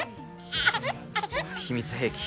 秘密兵器。